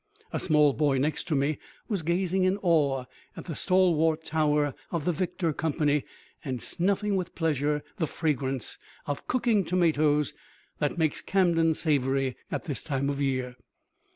A small boy next to me was gazing in awe at the stalwart tower of the Victor Company, and snuffing with pleasure the fragrance of cooking tomatoes that makes Camden savory at this time of year.